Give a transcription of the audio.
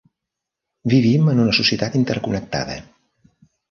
Vivim en una societat interconnectada.